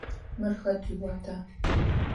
Мыр хэт иуата?